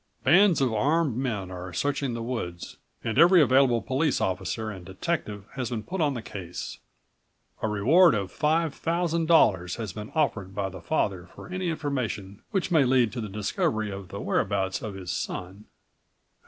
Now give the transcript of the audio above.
"Bands of armed men are searching the woods and every available police officer and detective has been put on the case. A reward of $5,000 has been offered by the father for any information which may lead to the discovery of the whereabouts of his son."